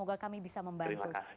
semoga kami bisa membantu